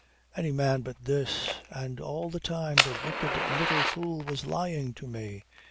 Any man but this. And all the time the wicked little fool was lying to me.